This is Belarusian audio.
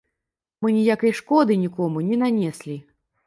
Мы ніякай шкоды нікому не нанеслі.